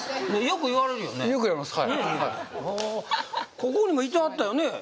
ここにもいてはったよねええ